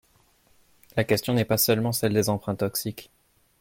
La question n’est pas seulement celle des emprunts toxiques.